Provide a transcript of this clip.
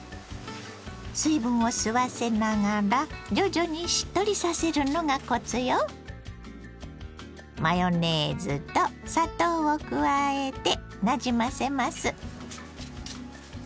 水分を吸わせながら徐々にしっとりさせるのがコツよ。を加えてなじませます。